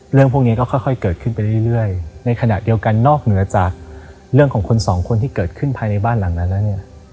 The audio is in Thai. เรื่องพวกนี้ก็ค่อยเกิดขึ้นไปเรื่อยในขณะเดียวกันนอกเหนือจากเรื่องของคนสองคนที่เกิดขึ้นภายในบ้านหลังนั้นแล้วเนี่ย